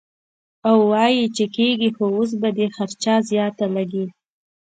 او وائي چې کيږي خو اوس به دې خرچه زياته لګي -